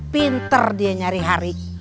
pinter dia nyari hari